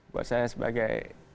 buat saya sebagai